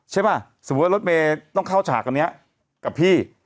ใช่ป่ะสมมุติว่ารถเมย์ต้องเข้าฉากอันนี้กับพี่